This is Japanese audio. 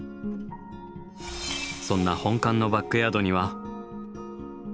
そんな本館のバックヤードには。